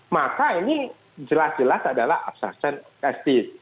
maka ini jelas jelas adalah abstraksi